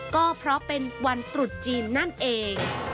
ก็เพราะเป็นวันตรุษจีนนั่นเอง